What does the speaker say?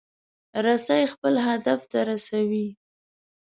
رسۍ خپل هدف ته رسوي.